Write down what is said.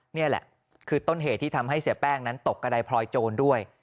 นี่แหละคือต้นเหตุที่ทำให้เสียแป้งนั้นตกกระดายพลอยโจรด้วย